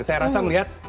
saya rasa melihat